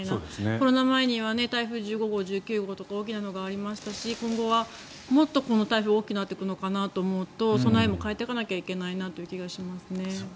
コロナ前には台風１９号とか大きなのがありましたし、今後はもっと台風大きくなるのかなと思うと備えも変えていかないといけない気がしますね。